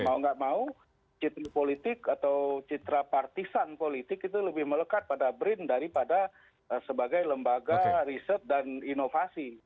mau nggak mau citra politik atau citra partisan politik itu lebih melekat pada brin daripada sebagai lembaga riset dan inovasi